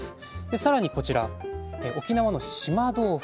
さらにこちら沖縄の島豆腐。